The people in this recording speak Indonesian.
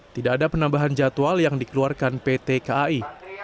tidak ada penambahan jadwal yang dikeluarkan pt kai